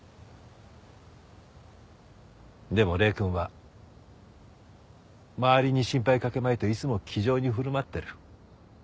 でも礼くんは周りに心配かけまいといつも気丈に振る舞っている。